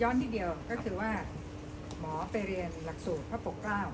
เอ่อเล่านิดย้อนนิดเดียวก็คือว่าหมอไปเรียนหลักศูนย์พระปกราบ